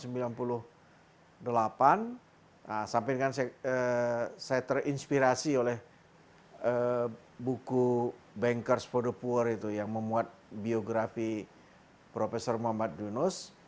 nah sampai dengan saya terinspirasi oleh buku bankers for the power itu yang memuat biografi prof muhammad junus